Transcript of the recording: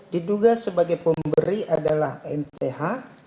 diduga sebagai pemberi adalah mth